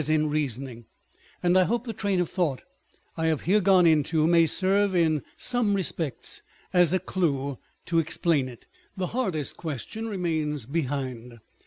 in reasoning, and I hope the train of thought I have here gone into may serve in some respects as a clue to explain it. The hardest question remains behind.